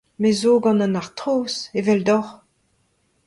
Me zo gant an artroz, eveldoc’h !